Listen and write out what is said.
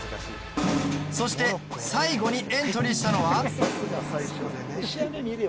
そして最後にエントリーしたのは。